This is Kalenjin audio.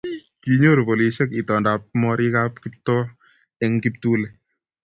kinyoru polisiek itondab morikab Kiptoo eng kiptule